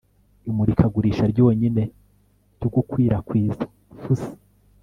Imurikagurisha ryonyine ryo gukwirakwiza fussy